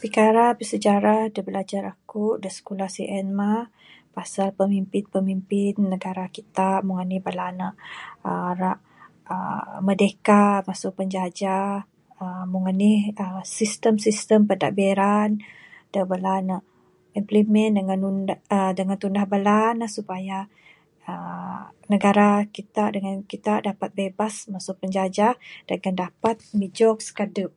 Pikara bersejarah da bilajar aku da sikulah sien mah pasal pemimpin pemimpin negara kita, meng anih bala ne ra uhh merdeka masu penjajah meng anih sistem sistem pentadbiran da bala ne implement dangan da tunah bala supaya uhh negara kita dangan kita dapat bebas masu penjajah da akan dapat mijog sikadep.